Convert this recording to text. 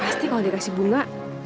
pasti kalau dikasih bunga